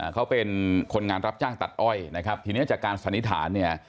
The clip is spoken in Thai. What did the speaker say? เขาเป็นคนงานรับจ้างตัดอ้อยนะครับทีนี้จากการสันนิษฐานเนี่ย